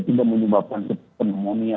tidak menyebabkan pneumonia